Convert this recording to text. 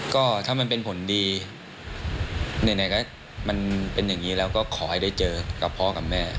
ก็ถ้ามันเป็นผลดีไหนก็มันเป็นอย่างนี้แล้วก็ขอให้ได้เจอกับพ่อกับแม่